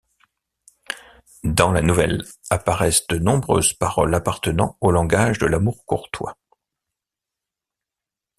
Dans la nouvelle apparaissent de nombreuses paroles appartenant au langage de l'amour courtois.